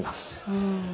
うん。